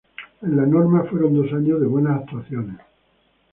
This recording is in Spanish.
En la Norma, fueron dos años de buenas actuaciones.